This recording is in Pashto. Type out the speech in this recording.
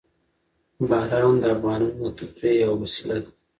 باران د افغانانو د تفریح یوه وسیله ده.